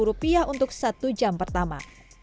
rp seratus untuk satu jam pertama